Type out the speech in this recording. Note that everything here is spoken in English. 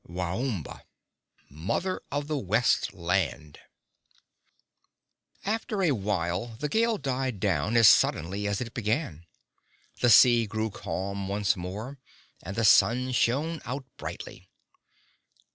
WAOMBA MOTHER OF THE WEST LAND After a while the gale died down as suddenly as it began. The sea grew calm once more, and the sun shone out brightly.